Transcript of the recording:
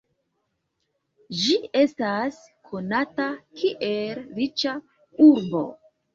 Ĝi estas konata kiel riĉa urbo.